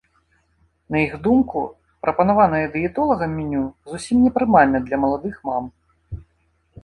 На іх думку, прапанаванае дыетолагам меню зусім не прымальна для маладых мам.